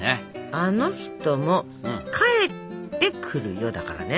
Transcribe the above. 「あの人も帰ってくるよ」だからね。